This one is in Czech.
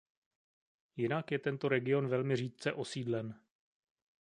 Jinak je tento region velmi řídce osídlen.